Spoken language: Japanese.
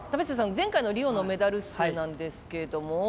前回のリオのメダル数なんですけれども？